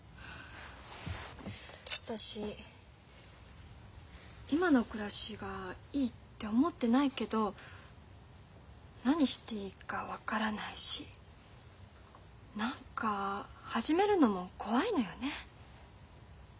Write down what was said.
私今の暮らしがいいって思ってないけど何していいか分からないし何か始めるのも怖いのよね。